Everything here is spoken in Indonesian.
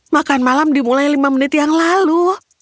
makan malam dimulai lima menit yang lalu